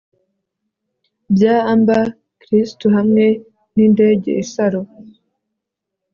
Bya amber kristu hamwe nindege isaro